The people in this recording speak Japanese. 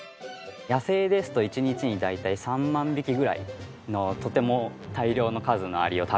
野生ですと一日に大体３万匹ぐらいのとても大量の数のアリを食べるというふうにいわれてます。